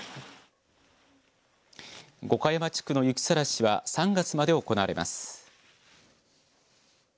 五箇山地区の雪さらしは３月まで行われます。